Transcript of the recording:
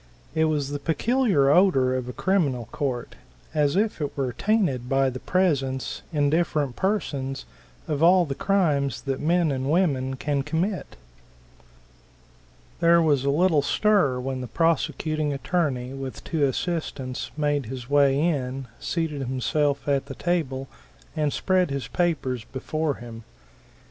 It was the peculiar odor of a criminal court, as if it were tainted by the presence, in different persons, of all the crimes that men and women can commit. There was a little stir when the Prosecuting Attorney, with two assistants, made his way in, seated himself at the table, and spread his papers before him.